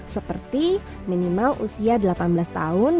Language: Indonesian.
seperti minimal usia delapan belas tahun